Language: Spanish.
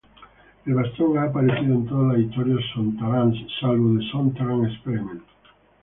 El bastón ha aparecido en todas las historias sontarans salvo "The Sontaran Experiment".